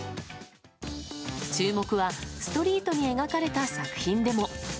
注目はストリートに描かれた作品でも。